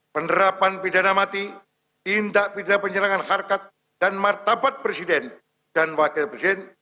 penerapan pidana mati tindak pidana penyerangan harkat dan martabat presiden dan wakil presiden